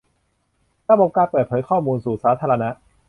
ระบบการเปิดเผยข้อมูลสู่สาธารณะ